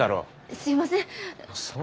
すいません。